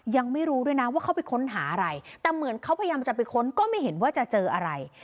ยังไม่รู้ด้วยนะว่าเขาไปค้นหาอะไรแต่เหมือนเขาพยายามจะไปค้นก็ไม่เห็นว่าจะเจออะไร